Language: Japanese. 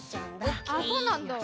あっそうなんだ？